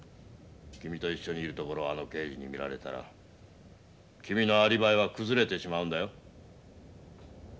君と一緒にいる所をあの刑事に見られたら君のアリバイは崩れてしまうんだよ。